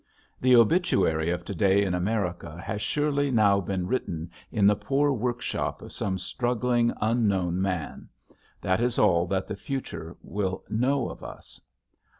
The obituary of to day in America has surely now been written in the poor workshop of some struggling, unknown man. That is all that the future will know of us.